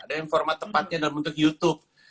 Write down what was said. ada yang format tepatnya adalah untuk youtube